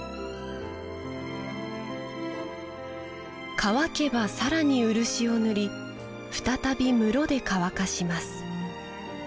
乾けば更に漆を塗り再び室で乾かします。